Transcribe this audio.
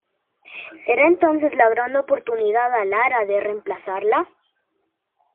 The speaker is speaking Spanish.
Será entonces la gran oportunidad a Lara de reemplazarla.